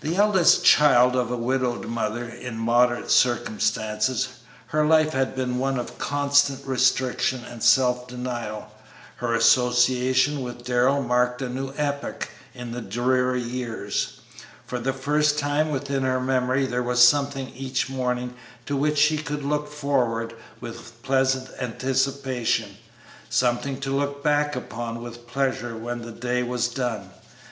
The eldest child of a widowed mother, in moderate circumstances, her life had been one of constant restriction and self denial. Her association with Darrell marked a new epoch in the dreary years. For the first time within her memory there was something each morning to which she could look forward with pleasant anticipation; something to look back upon with pleasure when the day was done.